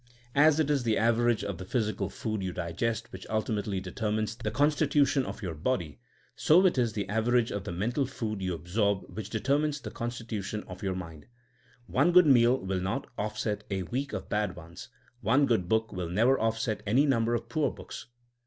As it is the average of the physical food you digest which ultimately determines the constitution of your body, so it is the average of the mental food you absorb which determines the constitu tion of your mind. One good meal will not off set a week of bad ones ; one good book will never offset any number of poor books.